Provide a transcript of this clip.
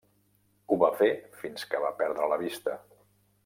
Ho va fer fins que va perdre la vista.